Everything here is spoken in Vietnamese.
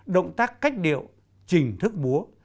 động tác cách điệu trình thức búa